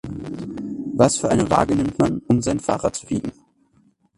Was für eine Waage nimmt man, um sein Fahrrad zu wiegen?